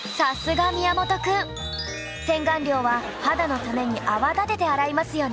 洗顔料は肌のために泡立てて洗いますよね